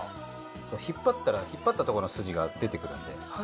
引っ張ったら引っ張ったとこの筋が出てくるんで。